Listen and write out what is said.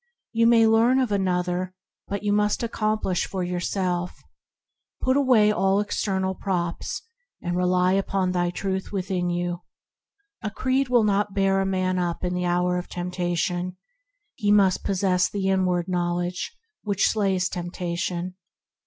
You may learn of another, but you must accomplish for yourself. Put away all external props, and rely upon the Truth within you. A creed will not bear a man up in the hour of temptation; he must possess the inward Knowledge that slays temptation.